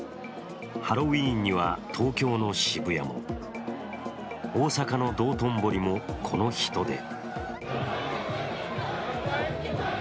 ハロウィーンには東京の渋谷も、大阪の道頓堀もこの人出。